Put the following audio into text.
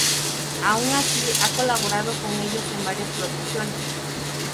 Aun así ha colaborado con ellos en varias producciones.